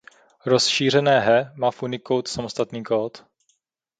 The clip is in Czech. Rozšířené he má v Unicode samostatný kód.